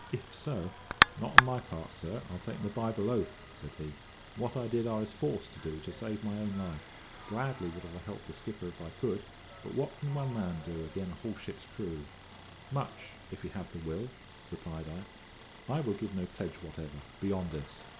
If so " "Not on my part, sir, I'll take my Bible oath," said he, "What I did I was forced to do to save my own life. Gladly would I have helped the skipper if I could; but what can one man do agin a whole ship's crew." "Much, if he have the will," replied I. "I will give no pledge whatever, beyond this.